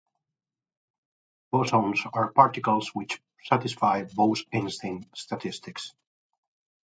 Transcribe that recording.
Bosons are particles which satisfy Bose-Einstein statistics.